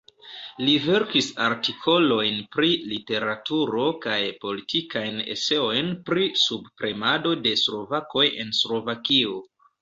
Li verkis artikolojn pri literaturo kaj politikajn eseojn pri subpremado de slovakoj en Slovakio.